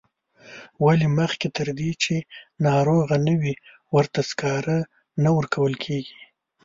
ولې مخکې تر دې چې ناروغه نه وي ورته سکاره نه ورکول کیږي.